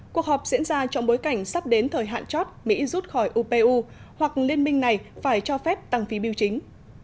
cuộc họp diễn ra trong bối cảnh sắp đến thời hạn chót mỹ rút khỏi upu hoặc liên minh này phải cho phép tăng phí biểu chính